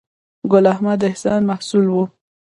ګل احمد احسان مسؤل و.